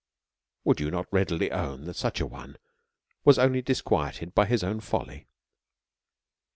Would you not readily own that such an one was only dis quieted by his own folly?